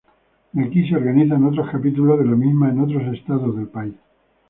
De aquí, se organizan otros capítulos de la misma en otros estados del país.